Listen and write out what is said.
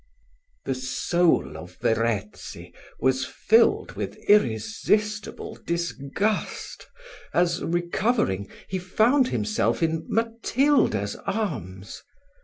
The soul of Verezzi was filled with irresistible disgust, as, recovering, he found himself in Matilda's arms.